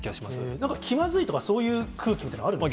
なんか気まずいとか、そういう空気みたいのはあるんですか？